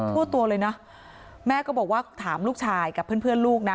ทั่วตัวเลยนะแม่ก็บอกว่าถามลูกชายกับเพื่อนลูกนะ